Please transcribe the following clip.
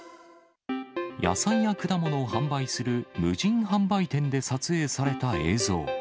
野菜や果物を販売する無人販売店で撮影された映像。